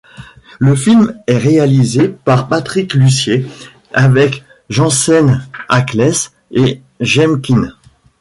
Le film est réalisé par Patrick Lussier avec Jensen Ackles et Jaime King.